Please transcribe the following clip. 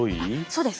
そうです。